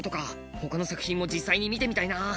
ほかの作品も実際に見てみたいな。